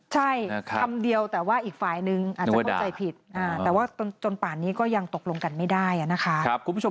ใช่คำเดียวแต่ว่าอีกฝ่ายนึงอาจจะเข้าใจผิดแต่ว่าจนป่านนี้ก็ยังตกลงกันไม่ได้นะคะ